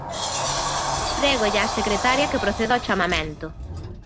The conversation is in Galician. Prégolle á secretaria que proceda ao chamamento.